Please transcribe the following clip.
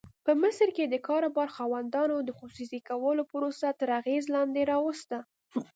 په مصر کې د کاروبار خاوندانو د خصوصي کولو پروسه تر اغېز لاندې راوسته.